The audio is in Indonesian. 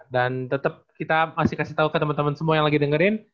dan tetap kita masih kasih tau ke teman teman semua yang lagi dengerin